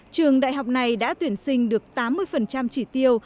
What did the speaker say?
trường đại học này đã tuyển sinh được tám mươi chỉ tiêu